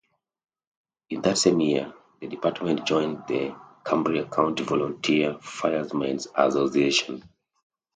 In that same year, the department joined the Cambria County Volunteer Firemen's Association.